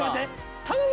頼む？